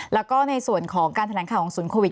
แล้วก็ในส่วนของการแถลงข่าวของศูนย์โควิด